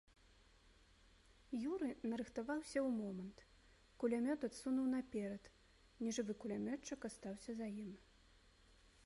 Юры нарыхтаваўся ў момант, кулямёт адсунуў наперад, нежывы кулямётчык астаўся за ім.